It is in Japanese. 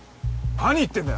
何言ってんだよ！